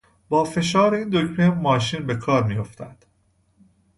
با فشار این دکمه ماشین به کار میافتد.